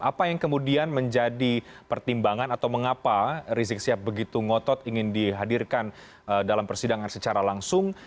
apa yang kemudian menjadi pertimbangan atau mengapa rizik sihab begitu ngotot ingin dihadirkan dalam persidangan secara langsung